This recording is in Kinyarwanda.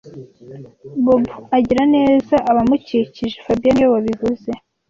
Bob agira neza abamukikije fabien niwe wabivuze